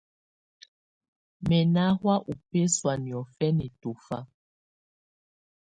Mɛ ná hɔ̀á ú bɛsɔ̀á nɪɔ̀fɛná tɔ̀fa.